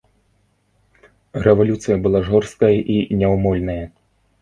Рэвалюцыя была жорсткая і няўмольная.